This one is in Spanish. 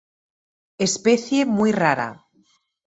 Especie muy rara.